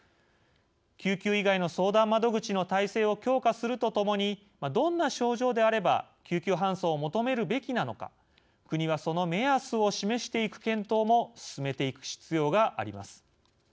救急以外の相談窓口の体制を強化するとともにどんな症状であれば救急搬送を求めるべきなのか国はその目安を示していく検討も進めていく必要があります。